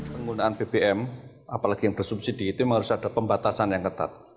penggunaan bbm apalagi yang bersubsidi itu memang harus ada pembatasan yang ketat